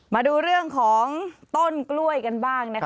มาดูเรื่องของต้นกล้วยกันบ้างนะคะ